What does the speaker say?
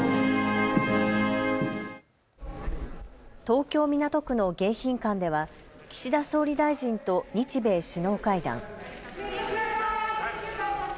東京港区の迎賓館では岸田総理大臣と日米首脳会談。